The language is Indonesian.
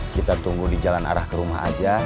biar dia bisa ke terminal